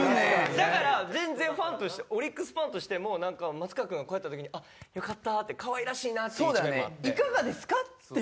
だから全然ファンとしてオリックスファンとしてもなんか松川君がこうやった時に「あっよかった！」って「可愛らしいな」っていう一面もあって。